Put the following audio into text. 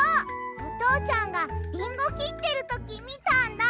おとうちゃんがリンゴきってるときみたんだ！